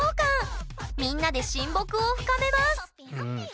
みんなで親睦を深めます。